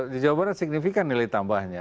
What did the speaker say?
di jawa barat signifikan nilai tambahnya